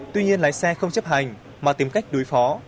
tuy nhiên lái xe không chấp hành mà tìm cách đối phó